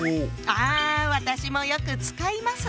あ私もよく使います！